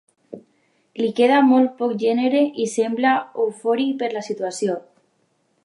Li queda molt poc gènere i sembla eufòric per la situació.